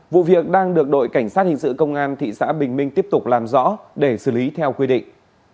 vụ việc đang được đội cảnh sát hình sự công an thị xã bình minh tiếp tục làm rõ để xử lý theo quy định